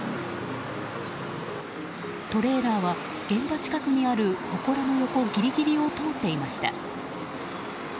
トレーラーは現場近くにあるほこらの横ギリギリを通っていました。